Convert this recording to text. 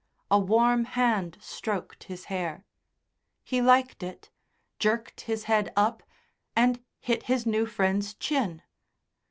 A warm hand stroked his hair. He liked it, jerked his head up, and hit his new friend's chin.